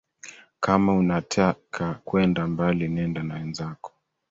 Kama unataka kwenda mbali nenda na wenzako